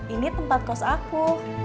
ini tempat kos aku